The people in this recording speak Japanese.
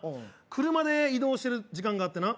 車で移動してる時間があってな